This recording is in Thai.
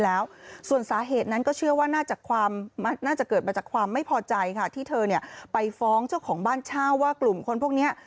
มันน่าจะเกิดมาจากความไม่พอใจค่ะที่เธอเนี่ยไปฟ้องเจ้าของบ้านเช่าว่ากลุ่มคนพวกเนี้ย